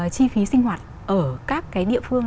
chi phí sinh hoạt ở các cái địa phương